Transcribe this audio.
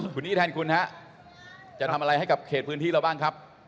คุณนี่แทนคุณฮะจะทำอะไรให้กับเขตพื้นที่เราบ้างครับ